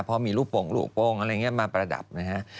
เพราะมีลูกโป่งมาประดับนะครับ